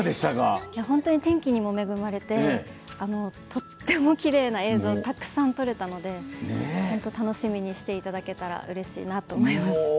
本当に天気にも恵まれてとてもきれいな映像たくさん撮れたので本当に楽しみにしていただけたらうれしいなと思います。